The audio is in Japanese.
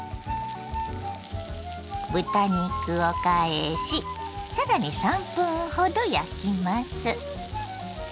豚肉を返しさらに３分ほど焼きます。